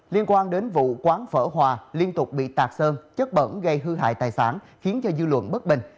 liên quan đến vụ quán phở hòa liên tục bị tạc sơn chất bẩn gây hư hại tài sản khiến cho dư luận bất bình